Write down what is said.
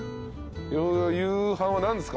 夕飯は何ですか？